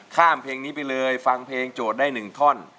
ข้ามเพลงนี้ไปเลยฟังเพลงโจทย์ได้๑ท่อน